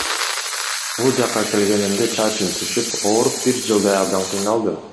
Бул жакка келгенимде чачым түшүп, ооруп бир жылдай абдан кыйналдым.